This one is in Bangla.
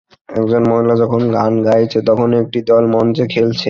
একজন মহিলা যখন গান গাইছে, তখন একটি দল মঞ্চে খেলছে।